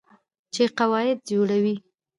چې قواعد جوړوي.